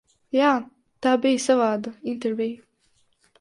Jā, tā bija savāda intervija.